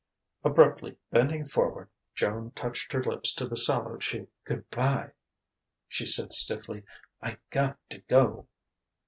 Abruptly, bending forward, Joan touched her lips to the sallow cheek. "Good bye," she said stiffly; "I got to go."